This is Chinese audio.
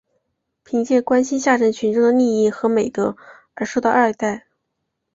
凭借关心下层群众的利益和美德而受到爱戴。